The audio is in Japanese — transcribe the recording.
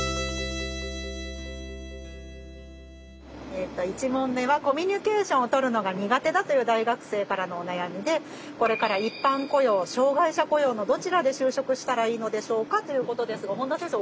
えっと１問目はコミュニケーションを取るのが苦手だという大学生からのお悩みで「これから一般雇用障害者雇用のどちらで就職したらいいのでしょうか？」ということですが本田先生